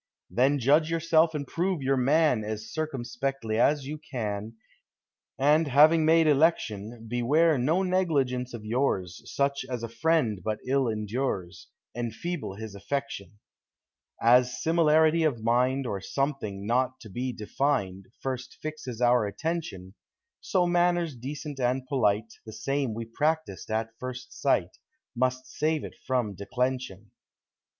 Then judge yourself and prove your man As circumspectly as you can, And, having made election, Beware no negligence of yours, Such as a friend but ill endures, Enfeeble his affection. k As similarity of mind, Or something not to be defined First fixes our attention; So manners decent and polite, The same we practised at first sight, Must save it from declension.